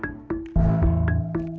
terus lagi kulah